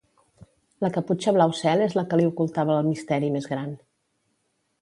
La caputxa blau cel és la que li ocultava el misteri més gran.